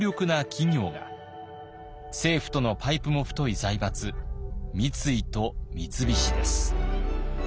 政府とのパイプも太い財閥三井と三菱です。